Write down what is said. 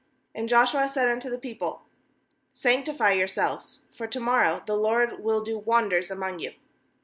5And Joshua said unto the people: 'Sanctify yourselves; for to morrow the LORD will do wonders among you.'